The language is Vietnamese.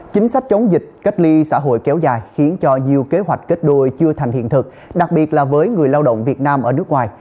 chính sách chống dịch cách ly xã hội kéo dài khiến cho nhiều kế hoạch kết đôi chưa thành hiện thực đặc biệt là với người lao động việt nam ở nước ngoài